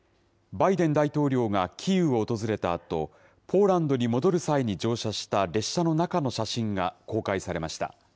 バイデン大統領がキーウを訪れたあと、ポーランドに戻る際に乗車した列車の中の写真が公開されました。